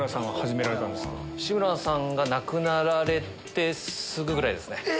志村さんが亡くなられてすぐぐらいですね。